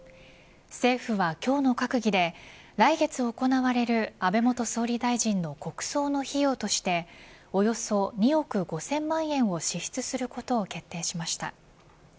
政府は今日の閣議で来月行われる安倍元総理大臣の国葬の費用としておよそ２億５０００万円を支出することを決定しました。